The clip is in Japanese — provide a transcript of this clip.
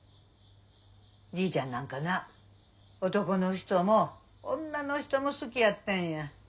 じいちゃんなんかな男の人も女の人も好きやったんや。